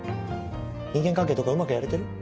人間関係とかうまくやれてる？